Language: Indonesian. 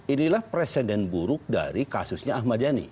inilah presiden buruk dari kasusnya ahmad dhani